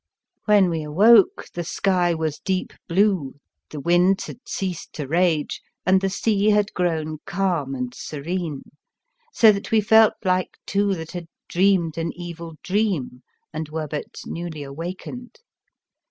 When we awoke, the sky was deep blue, the winds had ceased to rage, and the sea had grown calm and serene, so that we felt like two that had dreamed an evil dream and were but newly awakened.